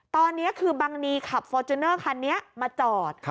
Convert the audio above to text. ตอนนี้คือบังนีขับฟอร์จูเนอร์คันนี้มาจอด